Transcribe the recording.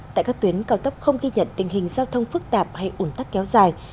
tại các tuyến cao tốc không ghi nhận tình hình giao thông phức tạp hay ủn tắc kéo dài